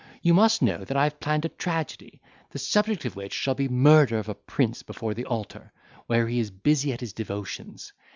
You must know that I have planned a tragedy, the subject of which shall be, the murder of a prince before the altar, where he is busy at his devotions.